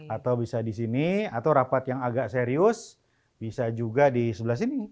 atau bisa di sini atau rapat yang agak serius bisa juga di sebelah sini